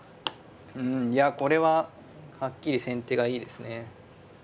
うんいやこれははっきり先手がいいですね。